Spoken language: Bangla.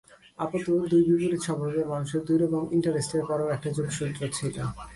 আপাত দুই বিপরীত স্বভাবের মানুষের দুই রকম ইন্টারেস্টের পরেও একটা যোগসূত্র ছিল।